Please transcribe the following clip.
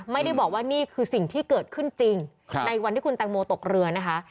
ไม่ได้บอกว่านี่คือสิ่งที่เกิดขึ้นจริงในวันที่คุณแตงโมตกเรือนะคะ